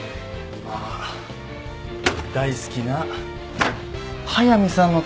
まあ大好きな速見さんのためか。